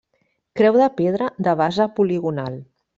Creu de pedra de base poligonal.